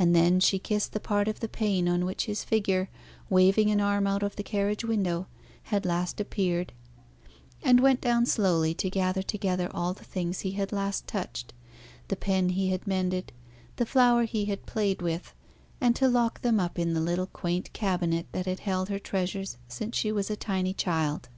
And then she kissed the part of the pane on which his figure, waving an arm out of the carriage window, had last appeared; and went down slowly to gather together all the things he had last touched the pen he had mended, the flower he had played with, and to lock them up in the little quaint cabinet that had held her treasures since she was a tiny child.